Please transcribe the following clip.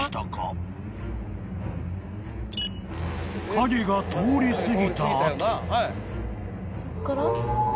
［影が通り過ぎた後］